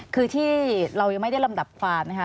คือที่เรายังไม่ได้ลำดับความนะคะ